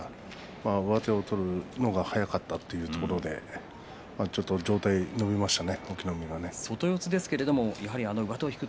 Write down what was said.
上手を取るのが早かったというところでちょっと上体、伸びましたね。